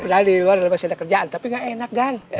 padahal di luar masih ada kerjaan tapi gak enak kan